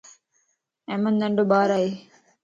احمد ننڊو ٻار ائي